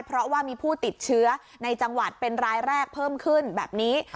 เพราะว่ามีผู้ติดเชื้อในจังหวัดเป็นรายแรกเพิ่มขึ้นแบบนี้